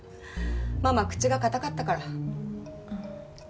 ママ口が堅かったから。